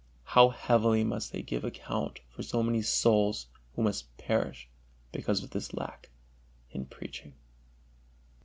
How heavily must they give account for so many souls who must perish because of this lack in preaching.